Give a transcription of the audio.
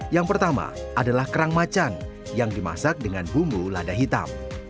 yang pertama adalah kerang macan yang dimasak dengan bumbu lada hitam